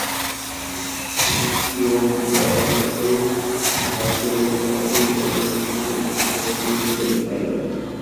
শরীরিক রোগ বা কোনরূপ ভাবপ্রবণতা এই পর্যবেক্ষণকে ভ্রমপূর্ণ করতে পারে।